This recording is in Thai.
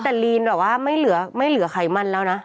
อุ๊ยแต่รีนแบบว่าไม่เหลือใครมันแล้วนะ